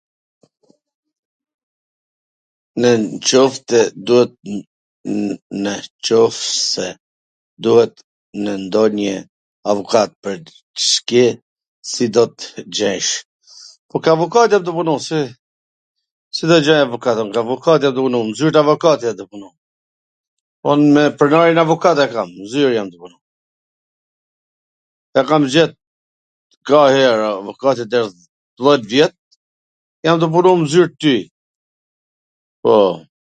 nw qoftw duhet, nw qoft se duhet nw ndonjw avokat pwr s ke ... si do tw gjesh? Po ke avokat jam tu punu, si, si do gjej avokat, te avokati jam tu punu, n zyr t avokatit me punu, po me pronarin avokat e kam, n zyr jam tu punu, e kam gjet kahera avokatin tem ktu e dhet vjet jam tu punu n zyr t tij, po.